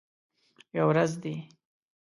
یوه ورځ دي